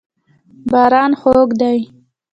باران خوږ دی.